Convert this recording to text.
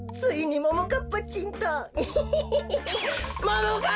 ももかっぱちん！